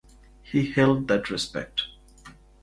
He held that respect.